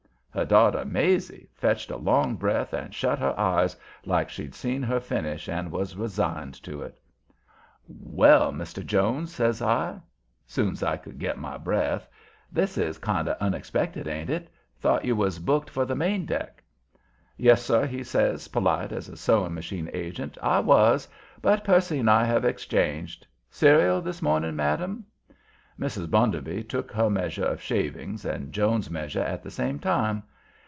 Her daughter "Maizie" fetched a long breath and shut her eyes, like she'd seen her finish and was resigned to it. "Well, Mr. Jones," says I, soon's I could get my breath, "this is kind of unexpected, ain't it? Thought you was booked for the main deck." "Yes, sir," he says, polite as a sewing machine agent, "I was, but Percy and I have exchanged. Cereal this morning, madam?" Mrs. Bounderby took her measure of shavings and Jones's measure at the same time.